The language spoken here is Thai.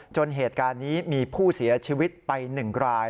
จนเหตุการณ์นี้มีผู้เสียชีวิตไป๑ราย